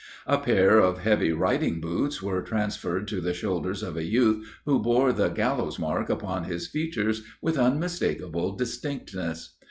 A pair of heavy riding boots were transferred to the shoulders of a youth who bore the 'gallows mark' upon his features with unmistakable distinctness.